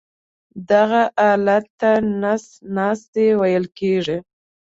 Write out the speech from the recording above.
دغه حالت ته نس ناستی ویل کېږي.